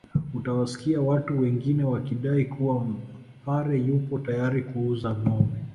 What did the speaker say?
Utawasikia watu wengine wakidai kuwa Mpare yupo tayari kuuza ngombe